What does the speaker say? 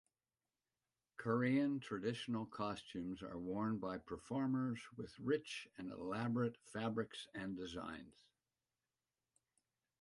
Korean traditional costumes are worn by performers, with rich and elaborate fabrics and designs.